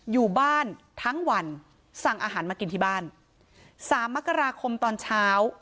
อยู่บ้านทั้งวันสั่งอาหารมากินที่บ้านสามมกราคมตอนเช้า